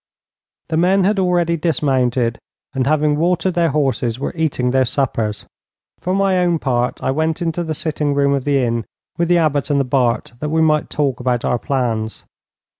The men had already dismounted, and, having watered their horses, were eating their suppers. For my own part I went into the sitting room of the inn with the Abbot and the Bart, that we might talk about our plans.